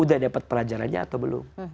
udah dapat pelajarannya atau belum